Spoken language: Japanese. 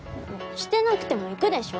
してなくても行くでしょ？